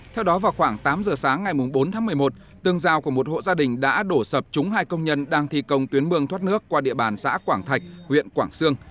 theo đó vào khoảng tám giờ sáng ngày bốn tháng một mươi một tương giao của một hộ gia đình đã đổ sập chúng hai công nhân đang thi công tuyến mương thoát nước qua địa bàn xã quảng thạch huyện quảng sương